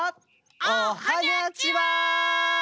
おはにゃちは！